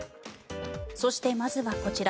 そして、まずはこちら。